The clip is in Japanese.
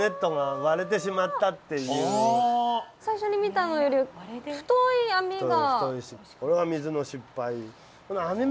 最初に見たのより太い網が。